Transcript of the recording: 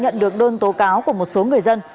nhận được đơn tố cáo của một số người dân